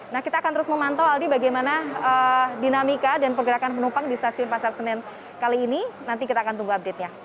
nah kita akan terus memantau aldi bagaimana dinamika dan pergerakan penumpang di stasiun pasar senen kali ini nanti kita akan tunggu update nya